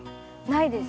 ない。